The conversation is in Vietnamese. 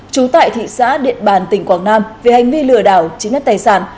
trú tại thị xã điện bàn tp hcm về hành vi lừa đảo chính đất tài sản